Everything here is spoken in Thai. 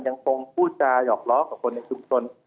ยังคงพูดตาหยอบเลาะเองกับคนในทุกส่วน